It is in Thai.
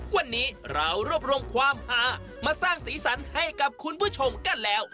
วันนี้เรารวบรวมความหามาสร้างสีสันให้กับคุณผู้ชมกันแล้ว